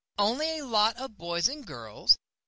Only a lot of boys and girls?